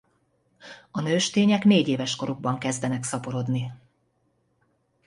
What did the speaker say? A nőstények négyéves korukban kezdenek szaporodni.